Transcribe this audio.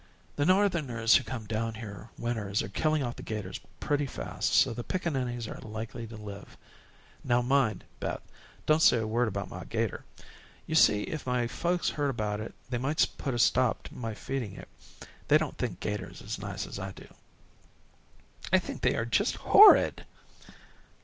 The Northerners who come down here winters are killing off the 'gators pretty fast, so the pickaninnies are likely to live. Now mind, Beth, don't say a word about my 'gator. You see if my folks heard about it, they might put a stop to my feeding it. They don't think 'gators as nice as I do." "I think they are just horrid."